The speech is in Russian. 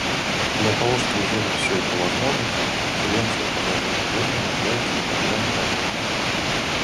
Для того чтобы сделать все это возможным, Конференция по разоружению нуждается в программе работы.